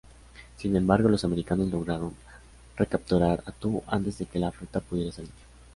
Sin embargo, los americanos lograron recapturar Attu antes de que la flota pudiera salir.